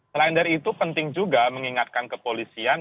selain dari itu penting juga mengingatkan kepolisian